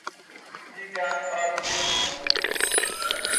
Ligar para o meu irmão.